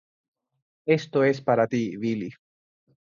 Esto es para ti, Billie".